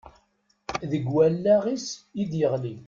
Deg wallaɣ-is i d-yeɣli.